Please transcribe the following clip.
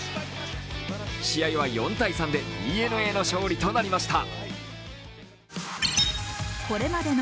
試合は４−３でＤｅＮＡの勝利となりました。